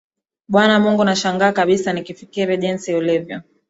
Bwana Mungu nashangaa kabisa nikifikiri jinsi ulivyo.